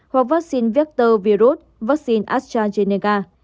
hoặc vắc xin vector virus vắc xin astrazeneca